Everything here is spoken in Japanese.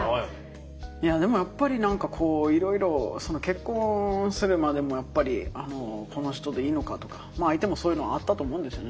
いやでもやっぱり何かこういろいろその結婚するまでもやっぱりこの人でいいのかとかまあ相手もそういうのはあったと思うんですよね